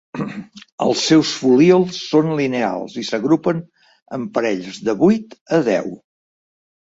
Els seus folíols són lineals i s'agrupen en parells de vuit a deu.